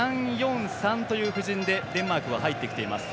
３−４−３という布陣でデンマークは入ってきています。